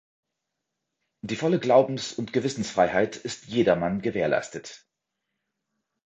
Die volle Glaubens- und Gewissensfreiheit ist Jedermann gewährleistet.